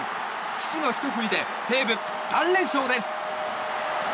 岸のひと振りで西武、３連勝です。